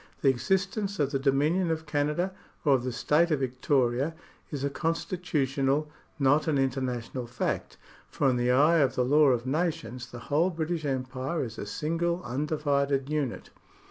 The existence of the Dominion of Canada or of the State of Victoria is a constitutional, not an international fact, for in the. eye of the law of nations the whole British Empire is a single undivided unit.